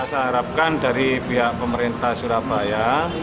saya harapkan dari pihak pemerintah surabaya